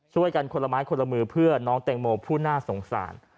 ช่วยกันคนละไม้คนละมือเพื่อน้องแตงโมผู้น่าสงสาร